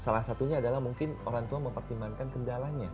salah satunya adalah mungkin orang tua mempertimbangkan kendalanya